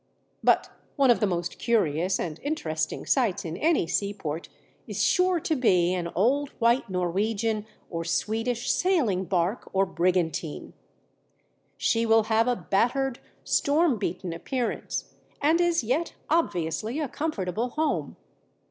But one of the most curious and interesting sights in any seaport is sure to be an old white Norwegian or Swedish sailing barque or brigantine. She will have a battered, storm beaten appearance, and is yet obviously a comfortable home.